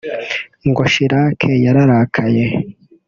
Ngo Chirac yararakaye